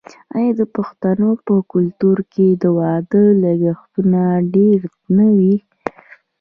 آیا د پښتنو په کلتور کې د واده لګښتونه ډیر نه وي؟